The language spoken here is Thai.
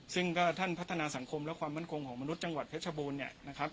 ซึ่งก็ท่านพัฒนาสังคมและความมั่นคงของมนุษย์จังหวัดเพชรบูรณ์เนี่ยนะครับ